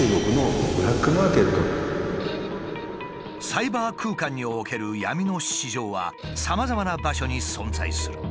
サイバー空間における闇の市場はさまざまな場所に存在する。